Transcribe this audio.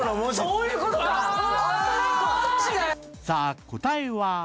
さあ答えは？